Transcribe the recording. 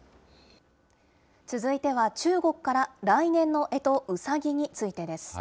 続いては中国から、来年のえと、うさぎについてです。